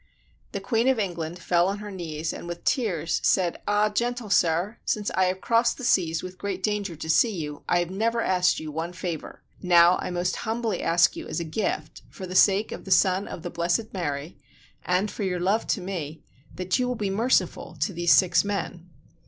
The Queen of England fell on her knees and with tears said, "Ah, gentle sir, since I have crossed the seas with great danger to see you, I have never asked you one favor: now, I most humbly ask you as a gift, for the sake of the Son of the Blessed Mary, and for your love to me, that you will be merciful to these six men."